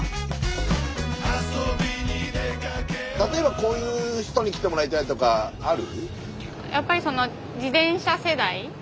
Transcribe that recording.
例えばこういう人に来てもらいたいとかある？